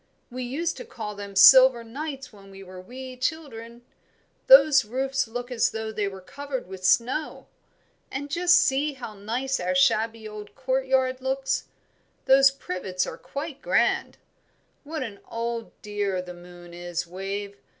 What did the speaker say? "We used to call them silver nights when we were wee children. Those roofs look as though they were covered with snow. And just see how nice our shabby old courtyard looks; those privets are quite grand. What an old dear the moon is, Wave!